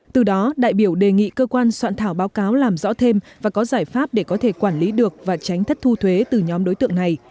từ đó đại biểu đề nghị cơ quan soạn thảo báo cáo làm rõ thêm và có giải pháp để có thể quản lý được và tránh thất thu thuế từ nhóm đối tượng này